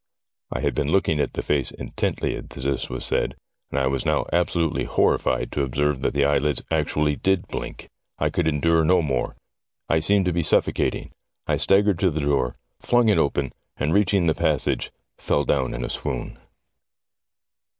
I had been looking at the face intently as this was said, and I was now absolutely horrified to observe that the eyelids actually did blink. I could endure no more. I seemed to be suffocating. I staggered to the door, flung it open, and, reach ing the passage, fell down in a swoon.